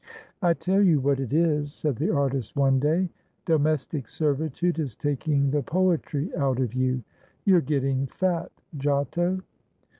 "I tell you what it is," said the artist one day; "domestic servitude is taking the poetry out of you. You're getting fat, Giotto!